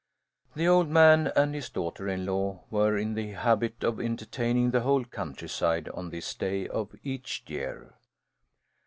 The old man and his daughter in law were in the habit of entertaining the whole countryside on this day of each year.